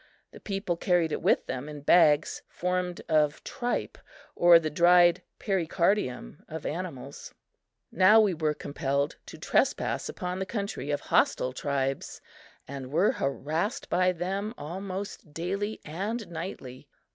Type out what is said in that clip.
The people carried it with them in bags formed of tripe or the dried pericardium of animals. Now we were compelled to trespass upon the country of hostile tribes and were harassed by them almost daily and nightly.